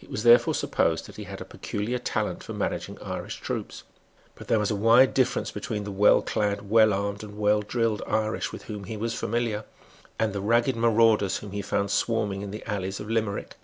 It was therefore supposed that he had a peculiar talent for managing Irish troops. But there was a wide difference between the well clad, well armed and well drilled Irish, with whom he was familiar, and the ragged marauders whom he found swarming in the alleys of Limerick.